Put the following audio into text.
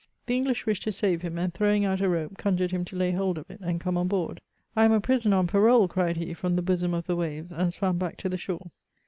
The Eng lish wished to save him, and, throwing out a rope, conjured him to lay hold of it, and come on hoard :^' I am a prisoner on parole," cried he from the hosom of the waves, and swam hack to the shore.